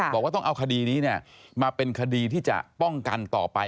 บอกว่าต้องเอาคดีนี้มาเป็นคดีที่จะป้องกันต่อไป